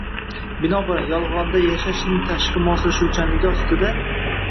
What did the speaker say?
Binobarin, “yolg‘onda yashash”ning tashqi moslashuvchanligi ostida